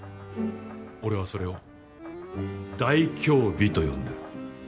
俺はそれを「大凶日」と呼んでいる。